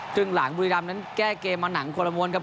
ครึ่งหลังบุรีรำนั้นแก้เกมมาหนังคนละม้วนครับ